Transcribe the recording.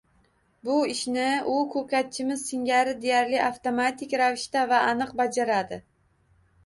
Bu ishni u ko‘katchimiz singari deyarli avtomatik ravishda va aniq bajardi